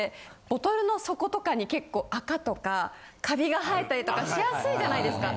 ボトルの底とかに結構垢とかカビが生えたりとかしやすいじゃないですか。